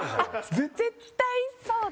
絶対そうだ！